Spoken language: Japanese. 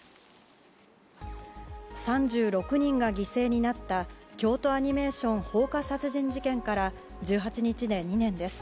３６人が犠牲になった京都アニメーション放火殺人事件から１８日で２年です。